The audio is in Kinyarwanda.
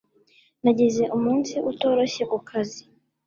Nagize umunsi utoroshye ku kazi